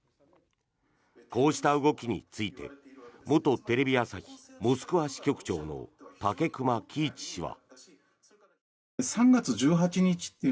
こうした動きについて元テレビ朝日モスクワ支局長の武隈喜一氏は。